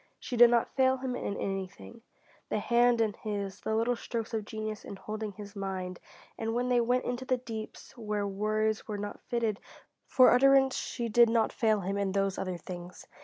She did not fail him in anything: the hand in his, the little strokes of genius in holding his mind, and when they went into the deeps where words were not fitted for utterance she did not fail him in those other things.